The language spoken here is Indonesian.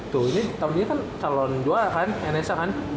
tuh ini tahun ini kan calon dua kan nsa kan